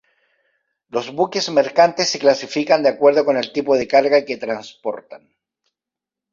Los buques mercantes se clasifican de acuerdo con el tipo de carga que transportan.